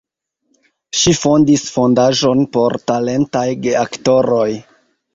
Ŝi fondis fondaĵon por talentaj geaktoroj.